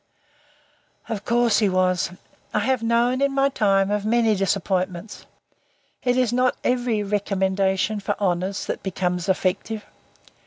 Of course he was. I have known, in my time, of many disappointments. It is not every recommendation for honours that becomes effective.